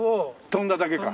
飛んだだけか。